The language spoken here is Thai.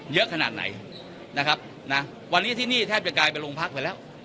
เยอะขนาดไหนนะครับนะวันนี้ที่นี่แทบจะกลายเป็นโรงพักไปแล้ว